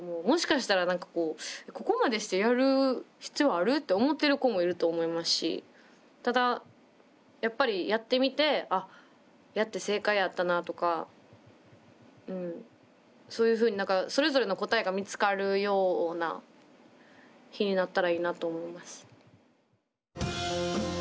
もしかしたら何かこうここまでしてやる必要ある？って思ってる子もいると思いますしただやっぱりやってみてあっやって正解やったなとかそういうふうに何かそれぞれの答えが見つかるような日になったらいいなと思います。